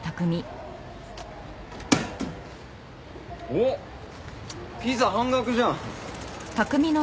おっピザ半額じゃん！